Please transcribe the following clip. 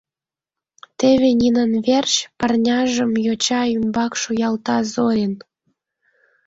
Теве нинын верч, — парняжым йоча ӱмбак шуялта Зорин.